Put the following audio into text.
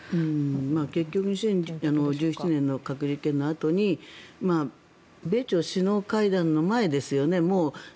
結局、２０１７年の核実験のあとに米朝首脳会談の前ですよね。